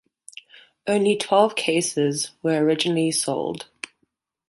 Only twelve cases were originally sold.